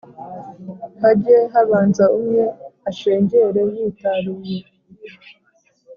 hajye habanza umwe ashengere yitaruye